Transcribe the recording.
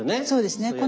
そうですね。